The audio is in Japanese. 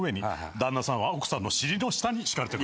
旦那さんは奥さんの尻の下に敷かれてください。